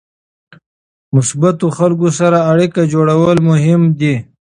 مثبتو خلکو سره اړیکه جوړول مهم دي.